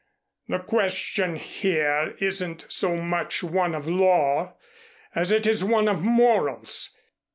"The question here isn't so much one of law as it is one of morals.